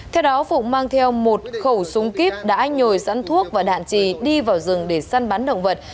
theo đó phụng mang theo một khẩu súng kíp đã nhồi sẵn thuốc và đạn trì đi vào rừng để săn bắn động vật